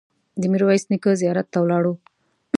د میرویس نیکه زیارت ته ولاړو.